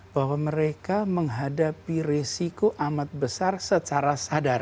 bahwa mereka menghadapi resiko amat besar secara sadar